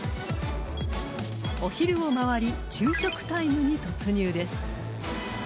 ［お昼を回り昼食タイムに突入です］